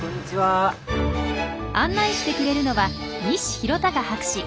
案内してくれるのは西浩孝博士。